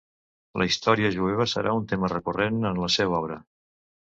La història jueva serà un tema recurrent en la seva obra.